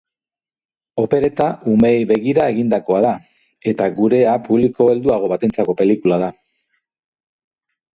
Opereta umeei begira egindakoa da, eta gurea publiko helduago batentzako pelikula da.